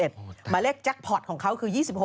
หมายเลขแจ็คพอร์ตของเขาคือ๒๖